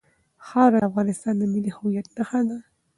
خاوره د افغانستان د ملي هویت نښه ده.